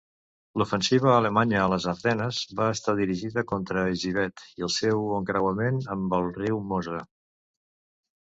L'ofensiva alemanya a les Ardenes va estar dirigida contra Givet i el seu encreuament amb el riu Mosa.